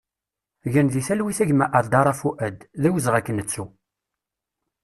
Gen di talwit a gma Adara Fuad, d awezɣi ad k-nettu!